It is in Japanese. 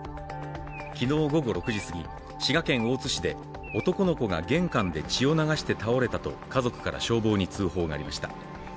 昨日午後６時過ぎ、滋賀県大津市で男の子が玄関で血を流して倒れたと家族から消防に通報がありました。